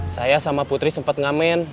saya sama putri sempat ngamen